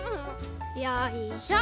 よいしょ。